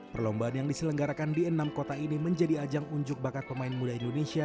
perlombaan yang diselenggarakan di enam kota ini menjadi ajang unjuk bakat pemain muda indonesia